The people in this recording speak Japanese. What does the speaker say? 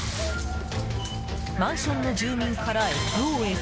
マンションの住民からＳＯＳ！